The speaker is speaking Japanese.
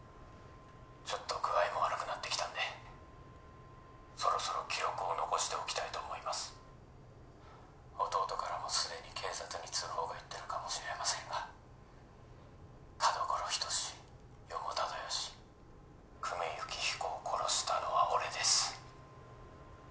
ちょっと具合も悪くなってきたんでそろそろ記録を残しておきたいと思います弟からもすでに警察に通報がいってるかもしれませんが田所仁志四方忠良久米幸彦を殺したのは俺です